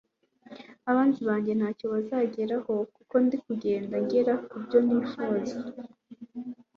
abanzi banjye ntacyo bazageraho kuko ndikugenda ngera kubyo nifuzagarw